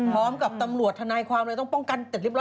พร้อมจากกับตำรวจในภาษาบริการเอกการเต็มงานเลยนะ